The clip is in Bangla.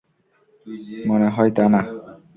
মনে হয় তা না।